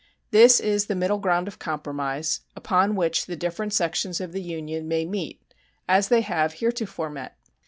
This is the middle ground of compromise, upon which the different sections of the Union may meet, as they have heretofore met.